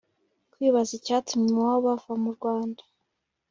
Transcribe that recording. kwibaza icyatumye iwabo bava mu rwanda